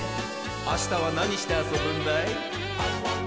あしたはなにしてあそぶんだい？